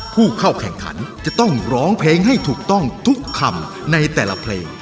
ผู้เข้าแข่งขันจะต้องร้องเพลงให้ถูกต้องทุกคำในแต่ละเพลง